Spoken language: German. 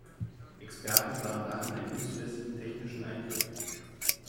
Experten sahen darin einen unzulässigen technischen Eingriff.